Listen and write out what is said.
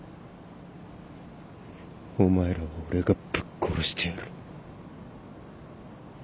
お前らは俺がぶっ殺してやる。